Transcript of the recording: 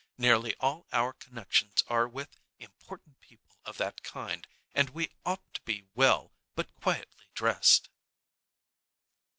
Nearly all our connections are with important people of that kind, and we ought to be well, but quietly, dressed."